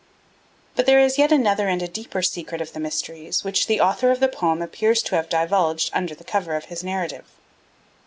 But there is yet another and a deeper secret of the mysteries which the author of the poem appears to have divulged under cover of his narrative.